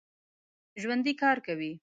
ژوندي کار کوي